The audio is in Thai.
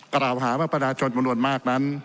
กล่าวเหมาะประดาษจนบนวนมากนั้น